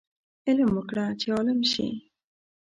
علم وکړه چې عالم شې